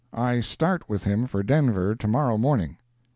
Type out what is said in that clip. I start with him for Denver to morrow morning.